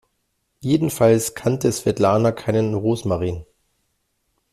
Jedenfalls kannte Svetlana keinen Rosmarin.